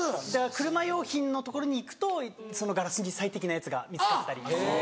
車用品の所に行くとガラスに最適なやつが見つかったり。